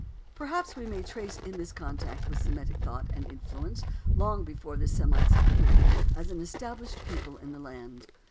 Perhaps we may trace in this a contact with Semitic thought and influence long before the Semites appear as an established people in the land.